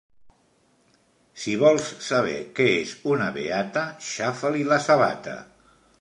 Si vols saber què és una beata, xafa-li la sabata.